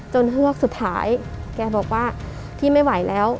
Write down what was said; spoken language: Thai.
เฮือกสุดท้ายแกบอกว่าพี่ไม่ไหวแล้ว